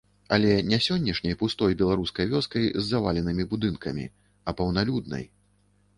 Але не сённяшняй пустой беларускай вёскай з заваленымі будынкамі, а паўналюднай.